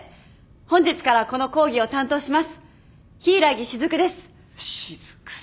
本日からこの講義を担当します柊木雫です。